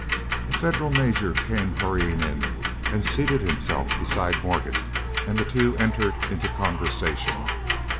A Federal major came hurrying in and seated himself beside Morgan, and the two entered into conversation.